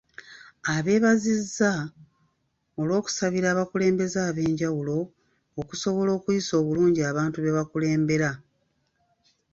Abeebazizza olw'okusabira abakulembeze ab'enjawulo okusobola okuyisa obulungi abantu be bakulembera.